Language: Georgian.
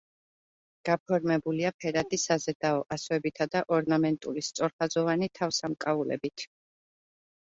გაფორმებულია ფერადი საზედაო ასოებითა და ორნამენტული, სწორხაზოვანი თავსამკაულებით.